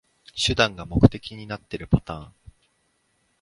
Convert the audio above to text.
手段が目的になってるパターン